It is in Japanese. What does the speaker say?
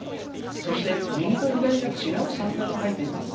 そして、右と左が違うサンダルをはいています。